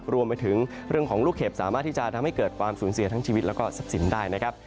รวมไปถึงเรื่องของลูกเห็บสามารถที่จะทำให้เกิดความสูญเสียทั้งชีวิตแล้วก็ทรัพย์สินได้นะครับ